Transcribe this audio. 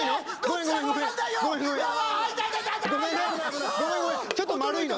ごめんごめんちょっと丸いの。